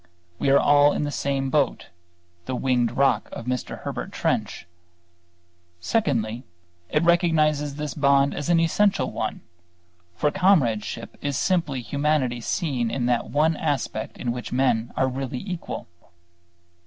We are all in the same boat, the "winged rock" of Mr. Herbert Trench. Secondly, it recognizes this bond as the essential one; for comradeship is simply humanity seen in that one aspect in which men are really equal.